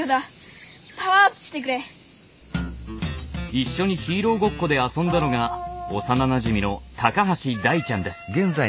一緒にヒーローごっこで遊んだのが幼なじみの橋大ちゃんです。